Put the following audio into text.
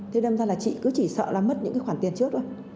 thế đâm ra là chị cứ chỉ sợ là mất những cái khoản tiền trước thôi